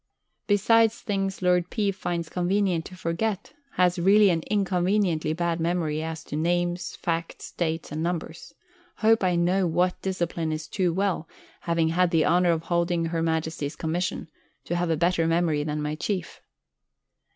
Besides things Ld. P. finds convenient to forget, has really an inconveniently bad memory as to names, facts, dates, and numbers. Hope I know what discipline is too well, having had the honour of holding H.M.'s Commission, to have a better memory than my Chief.